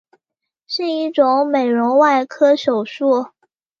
是一种美容外科手术。